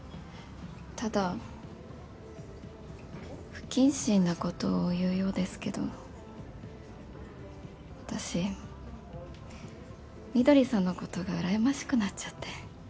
ただ不謹慎なことを言うようですけど私翠さんのことがうらやましくなっちゃって。